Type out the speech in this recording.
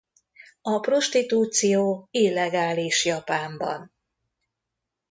A prostitúció illegális Japánban.